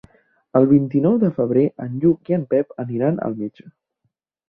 El vint-i-nou de febrer en Lluc i en Pep aniran al metge.